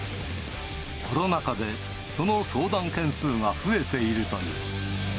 コロナ禍でその相談件数が増えているという。